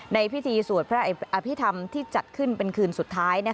ในพิธีสวดพระอภิษฐรรมที่จัดขึ้นเป็นคืนสุดท้าย